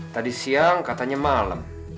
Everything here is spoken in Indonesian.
tadi siang katanya malam